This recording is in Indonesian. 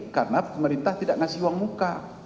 karena pemerintah tidak ngasih uang muka